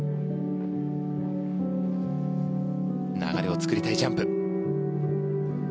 流れを作りたいジャンプ。